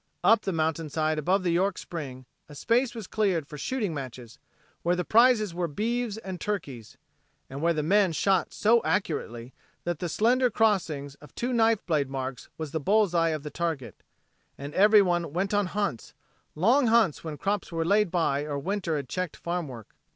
Up the mountainside above the York spring, a space was cleared for shooting matches, where the prizes were beeves and turkeys, and where the men shot so accurately that the slender crossing of two knifeblade marks was the bull's eye of the target. And everyone went on hunts, long hunts when crops were laid by or winter had checked farm work.